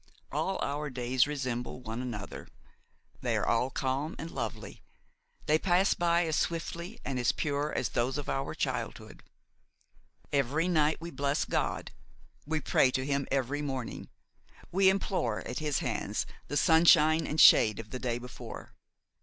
All our days resemble one another; they are all calm and lovely; they pass by as swiftly and as pure as those of our childhood. Every night we bless God; we pray to him every morning, we implore at his hands the sunshine and shade of the day before.